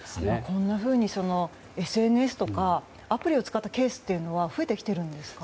こんなふうにＳＮＳとかアプリを使ったケースは増えてきているんですか？